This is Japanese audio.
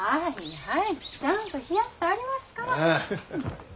ちゃんと冷やしてありますから。